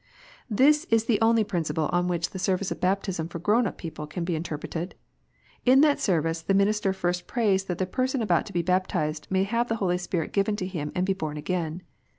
This is the only principle on which the Service of Baptism for grown up people can be interpreted. In that Service the minister first prays that the person about to be baptized may have the Holy Spirit given to him and be born again.